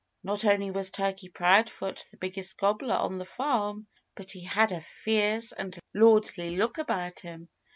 Not only was Turkey Proudfoot the biggest gobbler on the farm, but he had a fierce and lordly look about him.